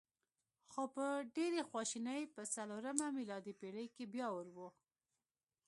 خو په ډېرې خواشینۍ چې په څلورمه میلادي پېړۍ کې بیا اور و.